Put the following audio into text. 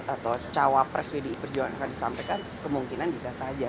atau cawapres pdi perjuangan akan disampaikan kemungkinan bisa saja